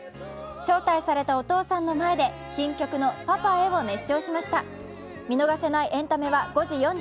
招待されたお父さんの前で、新曲の「パパへ」を熱唱しました。